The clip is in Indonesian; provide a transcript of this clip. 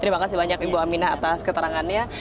terima kasih banyak ibu aminah atas keterangannya